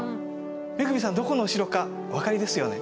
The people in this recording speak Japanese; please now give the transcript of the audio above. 恵さんどこのお城かお分かりですよね？